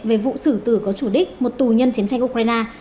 về vụ sử tử có chủ đích một tù nhân chiến tranh ukraine